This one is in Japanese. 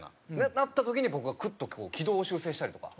なった時に僕がクッと軌道を修正したりとか。